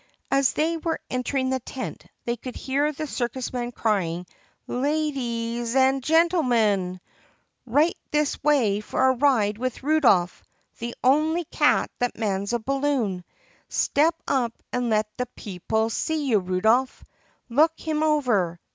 As they were entering the tent they could hear the circus man crying, "LA DEES AN' GEN NIL MIN ! Right this way for a ride with Rudolph, the on'y cat that mans a balloon. Step up and let the pee pul see you, Rudolph ! Look him over